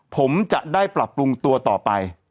ผมจะได้ปรับปรุงตัวต่อไป